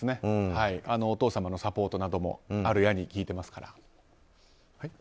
お父様のサポートなどもあると聞いていますから。